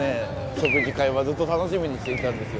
食事会はずっと楽しみにしていたんですよ